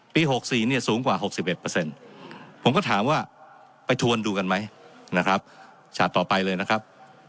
ปี๖๔เนี่ยสูงกว่า๖๑เปอร์เซ็นต์ผมก็ถามว่าไปทวนดูกันไหมนะครับชาติต่อไปเลยนะครับ